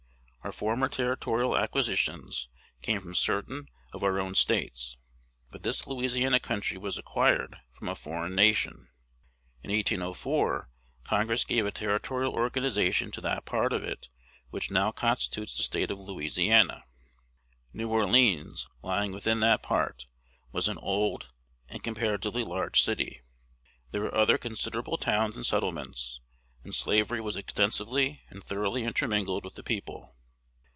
Our former territorial acquisitions came from certain of our own States; but this Louisiana country was acquired from a foreign nation. In 1804 Congress gave a territorial organization to that part of it which now constitutes the State of Louisiana. New Orleans, lying within that part, was an old and comparatively large city. There were other considerable towns and settlements, and slavery was extensively and thoroughly intermingled with the people.